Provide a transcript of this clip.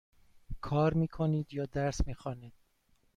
کار می کنید یا درس می خوانید؟